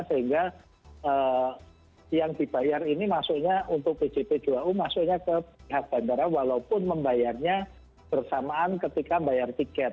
sehingga yang dibayar ini masuknya untuk pjp dua u masuknya ke pihak bandara walaupun membayarnya bersamaan ketika bayar tiket